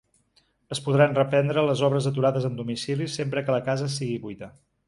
Es podran reprendre les obres aturades en domicilis, sempre que la casa sigui buida.